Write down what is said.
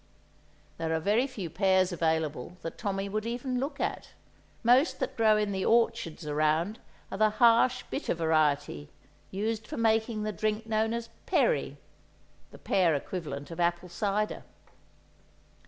_" there are very few pears available that Tommy would even look at; most that grow in the orchards around are the harsh, bitter variety, used for making the drink known as "perry" (the pear equivalent of apple cider).